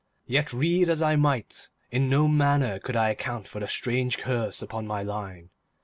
Yet read as I might, in no manner could I account for the strange curse upon my line.